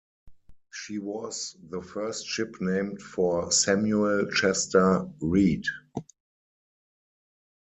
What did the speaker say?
She was the first ship named for Samuel Chester Reid.